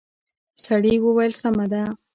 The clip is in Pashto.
سړي وويل سمه ده.